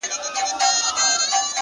د ژوند يې يو قدم سو” شپه خوره سوه خدايه”